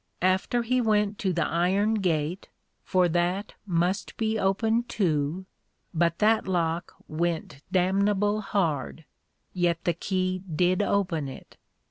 After he went to the iron Gate, for that must be opened too, but that Lock went damnable hard, yet the Key did open it.